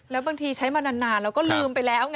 แล้วบางทีใช้มานานแล้วก็ลืมไปแล้วไง